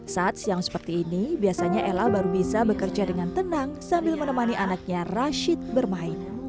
saat siang seperti ini biasanya ella baru bisa bekerja dengan tenang sambil menemani anaknya rashid bermain